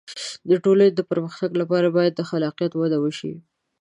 د ټولنې د پرمختګ لپاره باید د خلاقیت وده وشي.